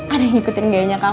ada yang mengikuti gayanya kamfut